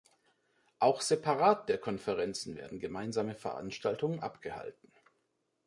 Auch separat der Konferenzen werden gemeinsame Veranstaltungen abgehalten.